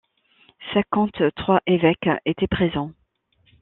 Cinquante-trois évêques étaient présents.